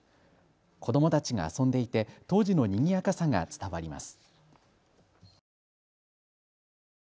子どもたちが遊んでいて当時のにぎやかさが伝わります。